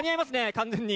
完全に。